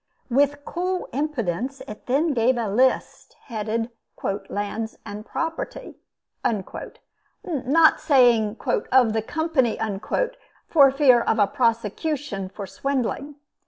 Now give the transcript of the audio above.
With cool impudence it then gave a list headed "Lands and Property" not saying "of the Company" for fear of a prosecution for swindling.